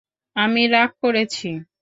আমি রাগ করেছি?